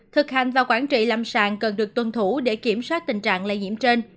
thực hành và quản trị lâm sàng cần được tuân thủ để kiểm soát tình trạng lây nhiễm trên